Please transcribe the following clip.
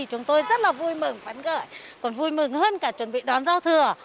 chúng tôi rất là vui mừng vẫn gợi còn vui mừng hơn cả chuẩn bị đón giao thừa